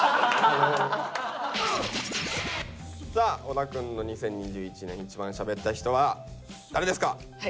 さあ小田くんの「２０２１年いちばんしゃべった人」は誰ですか？